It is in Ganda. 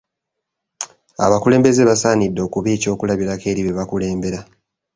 Abakulembeze basaanidde okuba ekyokulabirako eri be bakulembera.